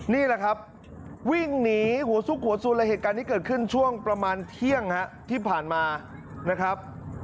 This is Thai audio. นี่แหละครับวิ่งหนีหัวซุกหัวสุนและเหตุการณ์นี้เกิดขึ้นช่วงประมาณเที่ยงที่ผ่านมานะครับ